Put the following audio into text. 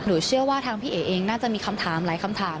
เชื่อว่าทางพี่เอ๋เองน่าจะมีคำถามหลายคำถาม